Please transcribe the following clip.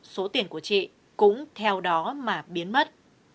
số tiền của chị cũng theo đó mà biến mất